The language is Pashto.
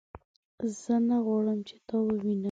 زه نه غواړم چې تا ووینم